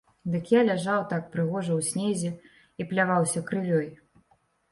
Дык я ляжаў так прыгожа ў снезе і пляваўся крывёй.